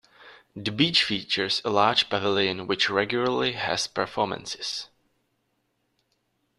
The beach features a large pavilion which regularly has performances.